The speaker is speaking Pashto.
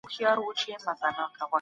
په کور کې پاتې کیدل غوره دي.